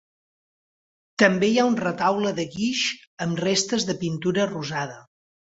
També hi ha un retaule de guix amb restes de pintura rosada.